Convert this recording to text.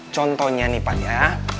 contohnya nih pak ya